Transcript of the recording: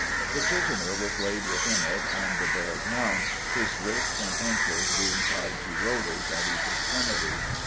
The prisoner was laid within it, on the bare ground, his wrists and ankles being tied to rollers at each extremity.